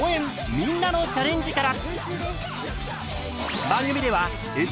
みんなのチャレンジ」から！